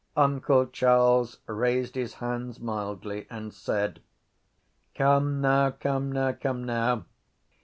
Uncle Charles raised his hands mildly and said: —Come now, come now, come now!